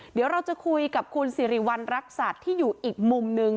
เดี๋ยวเราจะคุยกับคุณสิริวัณรักษัตริย์ที่อยู่อีกมุมนึง